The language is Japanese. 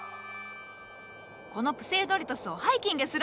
このプセウドリトスをハイキングするのじゃ！